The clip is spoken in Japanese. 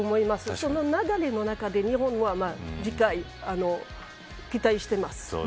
その流れの中で日本は次回期待しています。